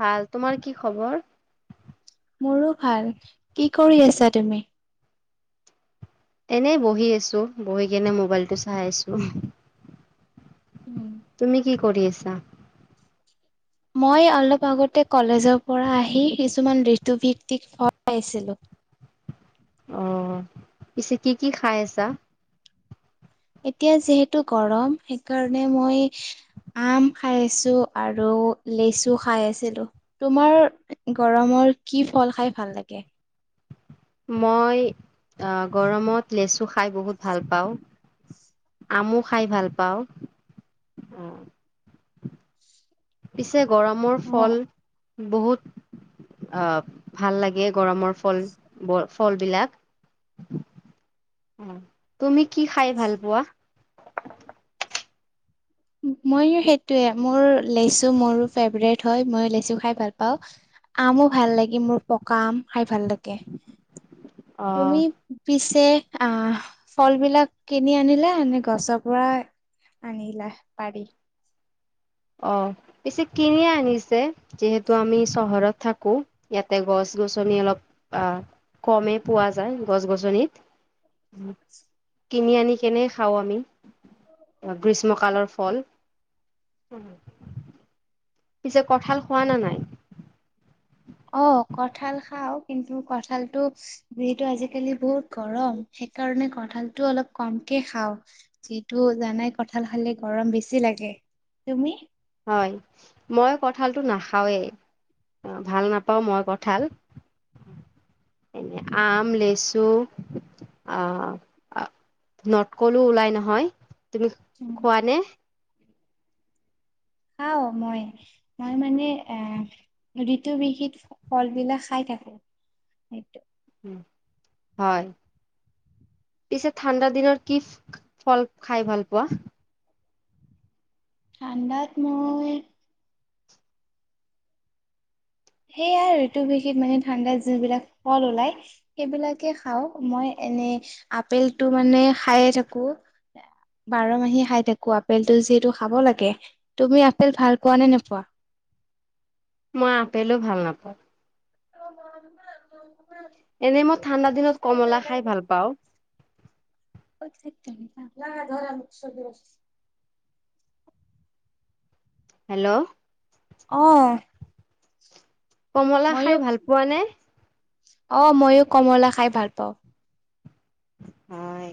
ভাল তোমাৰ কি খবৰ। মোৰো ভাল। কি কৰি আছা তুমি? এনেই বহি আছো বহি কেনে মোবাইলটো চাই আছো। উম। তুমি কি কৰিয় আছা। মই অলপ আগতে কলেজৰ পৰা আহি কিছুমান ঋতুভিত্তিক ভয় পাইছিলোঁ। অ পিছে কি কি খাই আছা। এতিয়া যিহেতু গৰম সেইকাৰণে মই আম খাই আছো আৰু লেচু খাই আছিলো ।তোমাৰ গৰমৰ কি ফল খাই ভাল লাগে। মই গৰমত লেচু খাই বহুত ভাল পাওঁ আমো খাই ভাল পাওঁ। পিছে। যে গৰমৰ ফল। অ', বহুত আহ ভাল লাগে গৰমৰ ফল ফল বিলাক তুমি কি খাই ভাল পোৱা। মইো সেইটোৱে মোৰ লেচু মোৰো ফেভৰেট হয় মই লেচু খাই ভাল পাওঁ ।আমো ভাল লাগি মোৰ পকা আম। খাই ভাল লাগে অ' তুমি। তে অ ফল বিলাক কিনি আনিলা ননে গছৰ পৰা আনিলা। পাৰি। অ পিছে কিনিয়ে আনিছে যিহেতু আমি চহৰত থাকো ইয়াতে গছ গছনি অলপ কমেই পোৱা যায় গছ গছনিত। কিনি আনি কেনে খাওঁ আমি গ্ৰীষ্ম কালৰ। ফল। উম। পিছে কঁঠাল খোৱা না নাই। অ কঠাল খাওঁ। কিন্তু কঠালতটো যিহেতু আজিকালি বহুত গৰম সেইকাৰণে কঠালতটো অলপ কমকে খাওঁ যিটো জানাই কঠাল খালে গৰম বেছি লাগে তুমি। মই কঠালতটো নাখাওৱেই ভাল নাপাওঁ ।মই কঠাল এনে আম লেচু অহ নটকলো ওলাই নহয়। তুমি উম, খোৱা নে। খাও মই মই মানে এ ঋতু বিহিত ফল বিলাক খাই থাকো সেইটো। হয় পিছে ঠাণ্ডা দিনৰত কি ফল খাই ভাল পোৱা। থঠাণ্ডাত মই। সেয়া ঋতুভেষিত মানে ঠাণ্ডাত যোন বিলাক ফল ওলাই সেইবিলাকে খাও। মই এনে আপেলটো মানে খায়ে থাকো বাৰ মাহে খাই থাকো আপেলটো যিহেতু খাব লাগে। তুমি আপেল ভাল পোৱা নে নোপোৱা। মই আপেলোও ভাল নাপাওঁ। অ [unintelligible] এনেই মই ঠাণ্ডা দিনত কমলা খাই ভাল পাওঁ। [unintelligible] হেল্ল' অহ কমলা ময়ো খাই ভাল পোৱা নে? অ মইও কমলা খাই ভাল পাওঁ। হয়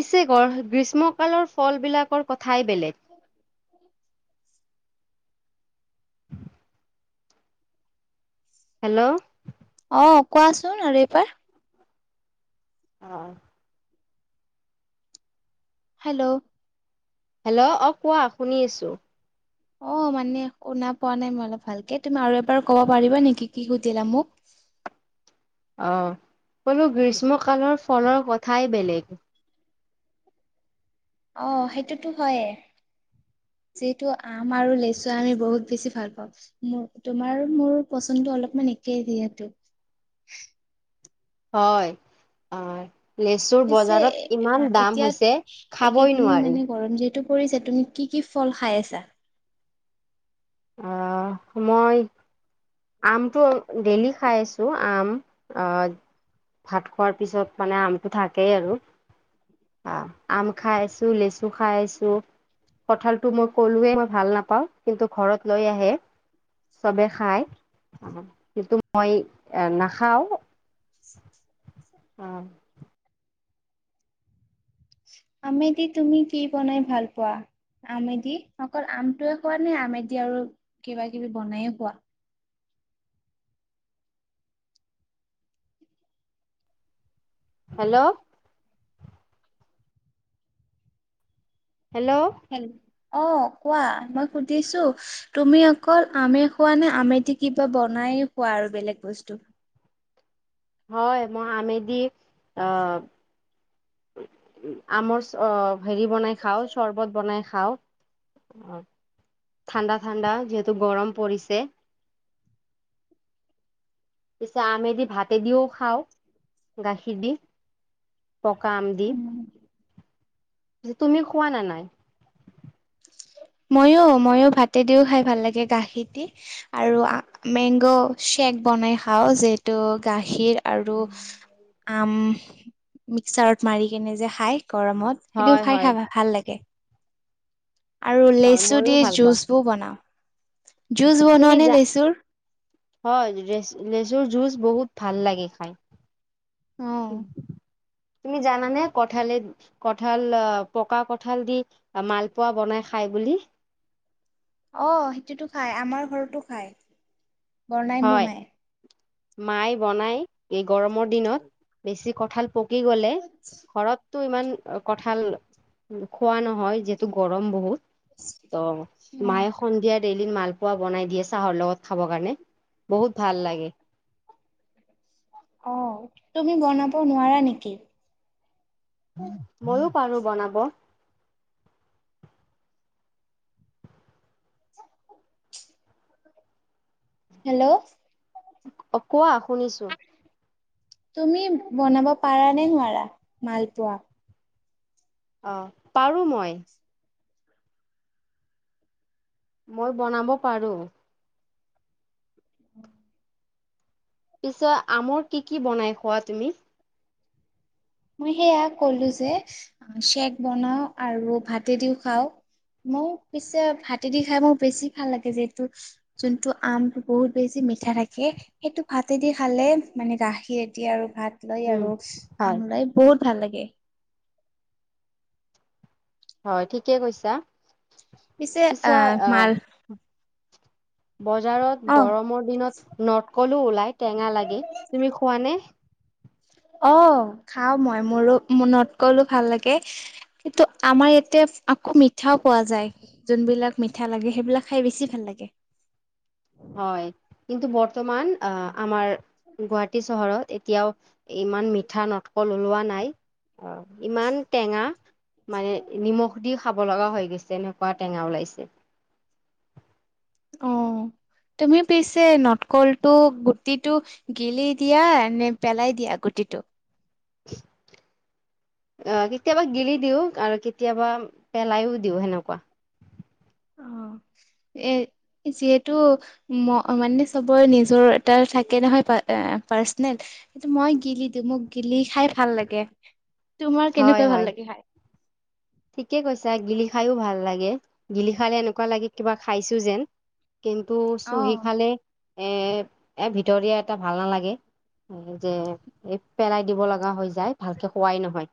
পিছে গৰ গ্ৰীষ্ম কালৰ ফল বিলাকৰ কথ- ঠাই বেলেগ। হেল্ল' অ কোৱাচোন আৰু এইবাৰ অ হেল্ল' হেল্ল' অ কোৱা শুনি আছো অ মানে শুনা পোৱা নাই মই অলপ ভালকে তুমি আৰু এবাৰ কব পাৰিবা নেকি কি সুধিলা মোক? অ কলো গ্ৰীষ্ম কালৰ ফলৰ কথাই বেলেগ। অ সেইটোতো হয়ে। যিহেতু আম আৰু লেচু আমি বহুত বেছি ভাল পাওঁ মোৰ তোমাৰ মোৰ পচন্দ অলপমান একেই যিহেতু। হয় অ লেচুৰ পিছে বজাৰত ইমান দাম এতিয়া হৈছে, খাবই নোৱাৰি। কৰিছা তুমি কি কি ফল খাই আছা? অ মই আমটো ডেইলি খাই আছো আম অ ভাত খোৱাৰ পিছত মানে আমটো থাকেই আৰু অ আম খাই আছো, লেচু খাই আছো, কঠালটো মই কলোৱেই মই ভাল নাপাওঁ কিন্তু ঘৰত লৈ আহে চবে খাই কিন্তু মই এ নাখাওঁ। আহ্ আমে দি তুমি কি বনাই ভাল পোৱা আমে দি অকল আমটোৱে খোৱা নে আমে দি আৰু কিবা কিবি বনাইয়ো খোৱা। হেল্ল' হেল্ল' হেল্ল' অ কোৱা মই সুধিছো তুমি অকল আমে খোৱা নে আমে দি কিবা বনাই খোৱা আৰু বেলেগ বস্তু। হয় মই আমিদি অ আমৰ চব হেৰি বনাই খাওঁ চৰ্বত বনাই খাওঁ। অ ঠাণ্ডা ঠাণ্ডা যিহেতু গৰম পৰিছে। পিছে আমে দি ভাতে দিওঁ খাওঁ গাখীৰ দি। পকা আম দি উম তুমিও খোৱা নে নাই? ময়ো ময়ো ভাতে দিওঁ খাই ভাল লাগে গাখীৰ দি আৰু মেংগ চেক বনাই খাও যিহেতু গাখীৰ- আৰু আম মিক্সাৰত মাৰি কিনে যে খাই। গৰমত সেইটোও হয় খাই হয় খাবা ভাল লাগে। আৰু হয় লেচু ময়ো দি ভাল পাওঁ জুচবোৰ বনাওঁ। তুমি যা হয় লেচুৰ জুচ বহুত ভাল লাগে খাই। উম, তুমি জানানে কঠালে - কঁঠাল, পকা কঠাল দি মালপোৱা বনাই খায় বুলি? অহ, সেইটোতো খায় আমাৰ ঘৰতো খায়। বনাই মোৰমাই। মাই বনাই। এই গৰমৰ দিনত? বেছি কঁঠাল, পকি গলে ঘৰত, টো ইমান কঠাল খোৱা নহয় যিহেতু গৰম বহুত। ত, অ মায়ে সন্ধিয়া ডেইলিন মালপু, খোৱা বনাই দিয়ে, চাহৰ লগত খাবৰ কাৰণে। বহুত ভাল লাগে। অহ, তুমি বনাব নোৱাৰা নেকি? ময়ো পাৰো বনাব। হেল্ল', কোৱা শুনিছো। তুমি বনাব পাৰা নে নোৱাৰা মালপোৱা? অহ, পাৰো মই। মই বনাব পাৰো। পিছত আমৰ কি কি বনাই খোৱা তুমি? মই সেয়া কলো যে ছেক বনাও আৰু ভাতেদিও খাও, মোৰ পিছে ভাতেদি খাই মোৰ বেছি ভাল লাগে। যিহেতু যোনটো আমটো বহুত বেছি মিঠা থাকে, সেইটো ভাতেদি খালে মানে গাখিৰেদি আৰু ভাত, লৈ উম, আৰু হয়। আম লাই, ভাল লাগে। হয় ঠিকে কৈছা। পিছে আহ, মাল, বজাৰত অ গৰমৰ দিনত নটকলো ওলাই টেঙা লাগে তুমি খোৱা নে? অহ, খাও মই মোৰো নটকলো ভাল লাগে। কিন্তু আমাৰ ইয়াতে আকৌ মিঠাও পোৱা যায়, যোনবিলাক মিঠা লাগে সেইবিলাক খাই বেছি ভাল লাগে। হয়, কিন্তু বৰ্তমান আহ, আমাৰ গুৱাহাটী চহৰত, তেতিয়াও ইমান মিঠা নটকল ওলোৱা নাই অ', ইমান টেঙা । মানে নিমখ দি, খাব লগা হৈ গৈছে, এনেকুৱা টেঙা ওলাইছে। অহ, তুমি পিছে নটকলটো গুটিটো গিলি দিয়া নে, পেলাই দিয়া গুটিটো? আহ, কেতিয়াবা গিলি দিও আৰু কেতিয়াবা পেলাইও দিও সেনেকুৱা। অহ, এ, যিহেতু মানে চবৰে নিজৰ এটা থাকে নহয় প- পাৰ্চনেল সেতু মই গিলি দিও মোক গিলি খাই ভাল লাগে। তোমাৰ হয়, কেনেকুৱা ভাল হয়। লাগে খাই? ঠিকে কৈছা গিলি খাইয়ো ভাল লাগে। গিলি খালে এনেকুৱা লাগে কিবা খাইছো যেন। কিন্তু চুহি অ', খালে, এ, ভিতৰীয়া এটা ভাল নালাগে যে এই পেলাই দিব লগা হৈ যায় ভালকৈ খোৱাই নহয়।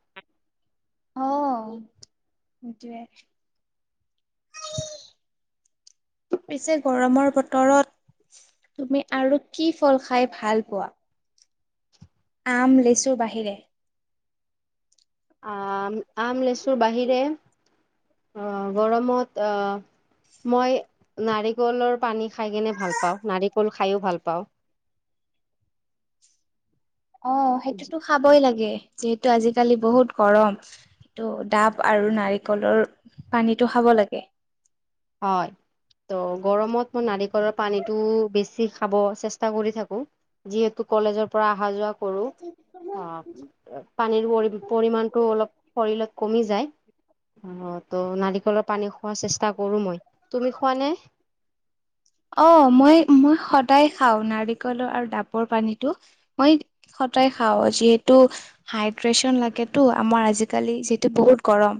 অ এটোৱে পিছে গৰমৰ বতৰত তুমি আৰু কি ফল খাই ভাল পোৱা? আম, লেচু, বাহিৰে? আহ আম, লেচুৰ বাহিৰে গৰমত মই, নাৰিকলৰ পানী খাই কিনে ভাল পাওঁ। নাৰিকল খাইো ভাল পাওঁ। অ সেইটোতো খাবই লাগে যিহে টো আজিকালি বহুত গৰম, এইটো ডাব আৰু নাৰিকলৰ পানীটো খাব লাগে। হয় ত' গৰমত মই নাৰিকলৰ পানীটো বেছি খাব চেষ্টা কৰি থাকো। যিহেতু কলেজৰ পৰা অহা যোৱা কৰো, হা পানীৰ পৰি-পৰিমাণটো অলপ কৰিলে কমি যায় ত' নাৰিকলৰ পানী খোৱা চেষ্টা কৰো মই। তুমি খোৱা নে? অ মই, মই সদায় খাওঁ নাৰিকলৰ আৰু ডাবৰ পানীটো। মই সদায় খাওঁ, যিহেতু হাইড্ৰেচন লাগেতো আমাৰ আজিকালি যিতু বহুত গৰম।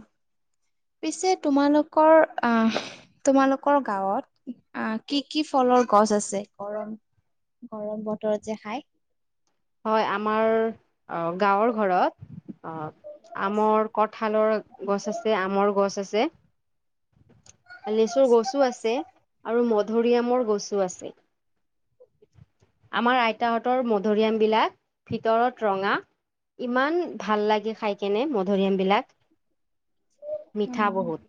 পিছে তোমালোকৰ, আহ তোমালোকৰ গাঁৱত আ কি কি ফলৰ গছ আছে, গৰম গৰম বতৰত যে খাই? হয়, আমাৰ অ গাঁৱৰ ঘৰত অ আমৰ, কঠালৰ গছ আছে, আমৰ গছ আছে লেচুৰ গছো আছে আৰু মধুৰিআমৰ গছো আছে। আমাৰ আইতাহঁতৰ মধুৰিআম বিলাক ভিতৰত ৰঙা, ইমান ভাল লাগে খাই কেনে মধুৰিআম বিলাক। মিঠা বহুত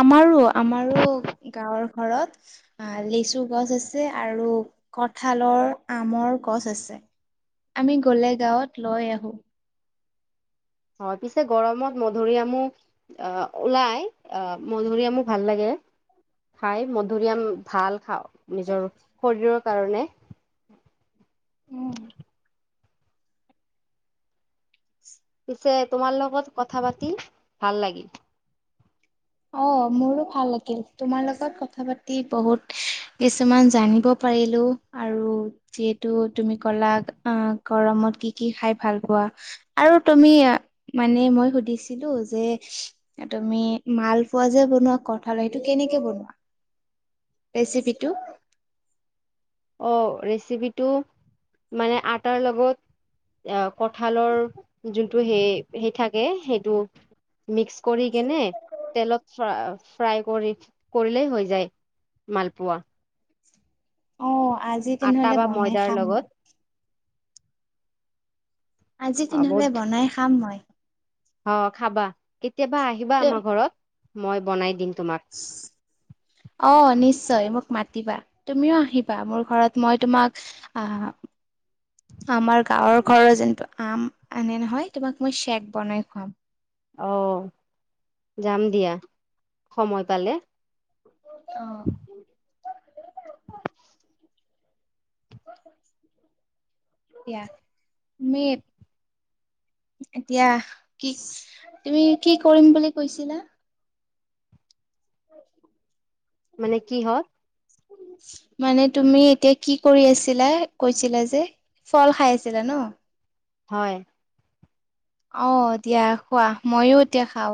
আমাৰো আমাৰো গাঁৱৰ ঘৰত আ লেচু গছ আছে আৰু কঠালৰ, আমৰ গছ আছে। আমি গলে গাঁৱত লৈ আহো। হয়, পিছে গৰমত মধুৰিআমু আহ ওলাই আহ মধুৰিআমু ভাল লাগে, খাই মধুৰিআম ভাল খাওঁ নিজৰ শৰীৰৰ কাৰণে উম, পিছে তোমাৰ লগত কথা পাতি ভাল লাগিল। অ মোৰো ভাল লাগিল। তোমাৰ লগত কথা পাতি বহুত কিছুমান জানিব পাৰিলো আৰু যিহেতু তুমি কলা গৰমত কি কি খাই ভাল পোৱা আৰু তুমি মানে, মই সুধিছিলো যে তুমি মালপোৱা যে বনোৱা কঠালৰ, সেইটো কেনেকে বনোৱা? ৰেচিপিটো অঁ ৰেচিপিটো, মানে আটাৰ লগত আ কঁঠালৰ যোনটো সেই সেই থাকে সেইটো মিক্স কৰি কেনে, তেলত ফ ফ্ৰাই কৰি-কৰিলেই হৈ যায়, মালপোৱা। অ' আজি আটা তেনেহলে বা বনাই ময়দাৰ খাম মই। লগত আজি অ তেনেহলে বহুত বনাই খাম মই। অ খাবা কেতিয়াবা আহিবা আমাৰ ঘৰত। মই বনাই দিম। তোমাক [unintelligible] অ নিশ্চয় নিশ্চয় মোক মাতিবা। তুমিও আহিবা, মোৰ ঘৰত মই তোমাক আহ, আমাৰ গাঁৱৰ ঘৰৰ যে আম আনে নহয় তোমাক মই চেক বনাই খুৱাম। আহ যাম দিয়া সময় পালে। অ এয়া তুমি এতিয়া কি তুমি কি কৰিম বুলি কৈছিলা? হয় [inaudible] মানে কি হল? মানে তুমি এতিয়া কি কৰি আছিলা কৈছিলা যে ফল খাই আছিলা ন? হয়। আহ দিয়া খোৱা, ময়ো এতিয়া খাও।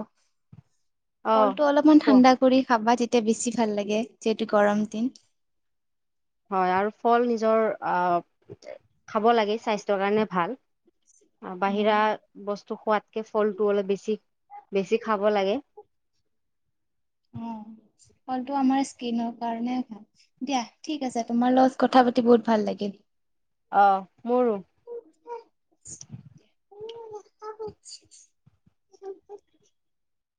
কল অ', টো অলপমান খোৱা ঠাণ্ডা কৰি খাবা তেতিয়া। বেছি ভাল লাগে যিহেতু গৰম দিন। হয় আৰু ফল নিজৰ আ খাব লাগে ।স্বাস্থ্যৰ কাৰণে ভাল। বাহিৰা বস্ত টো খুৱাতকে ফলটো অলপ বেছি বেছি খাব লাগে। অ ফলটো আমাৰ স্কিনৰ কাৰণে ভাল দিয়া, ঠিক আছে তোমাৰ লগত কথা পাতি বহুত ভাল লাগিল আহ মোৰো। [unintelligible]